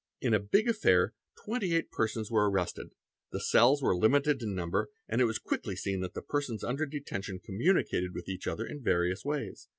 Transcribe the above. In a big affair, twenty eight persons were arrested; the cells were limited in number and it was quickly seen that the persons under deten tion communicated with each other in various ways.